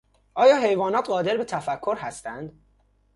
آیا حیوانات قادر به تفکر هستند؟